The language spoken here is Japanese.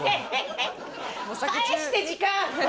返して時間！